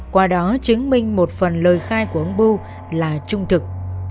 qua đó chứng minh một phần lời khai của ông bưu là trung thực